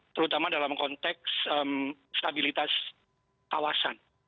terutama dalam konteks stabilitas kawasan